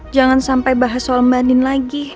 jangan sampai bahas soal mbak nin lagi